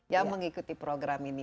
yang mengikuti program ini